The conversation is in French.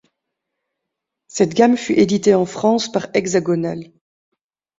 Cette gamme fut éditée en France par Hexagonal.